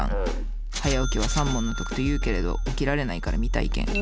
「早起きは三文の徳」というけれど起きられないから未体験。